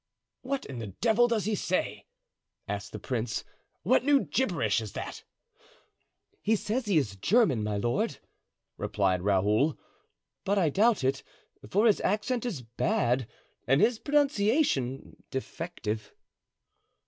"What in the devil does he say?" asked the prince. "What new gibberish is that?" "He says he is German, my lord," replied Raoul; "but I doubt it, for his accent is bad and his pronunciation defective."